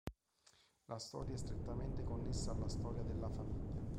La storia è strettamente connessa alla storia della famiglia.